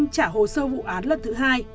trả hồ sơ vụ án lần thứ hai